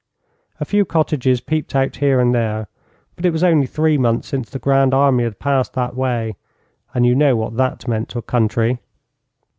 A few cottages peeped out here and there, but it was only three months since the Grand Army had passed that way, and you know what that meant to a country.